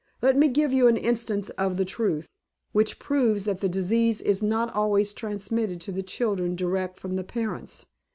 Let me give you an instance of the truth, which proves that the disease is not always transmitted to the children direct from the parents.